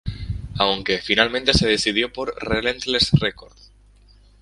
Aunque, finalmente se decidió por Relentless Records.